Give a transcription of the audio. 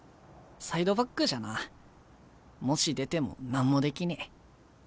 サイドバックじゃなもし出ても何もできねえ。